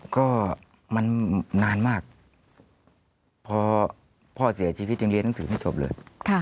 ก็มันนานมากพอพ่อเสียชีวิตยังเรียนหนังสือไม่จบเลย